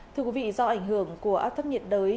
thưa quý vị do ảnh hưởng của áp thấp nhiệt đới